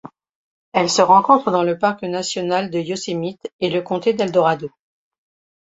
Elle se rencontre dans le parc national de Yosemite et le comté d'El Dorado.